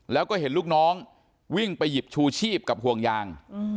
แล้วก็เห็นลูกน้องวิ่งไปหยิบชูชีพกับห่วงยาง